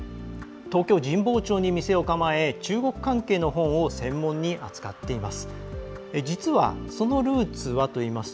東京・神保町に店を構え中国関係の本を専門に扱っています。